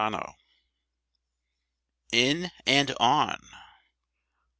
83 IN AND ON.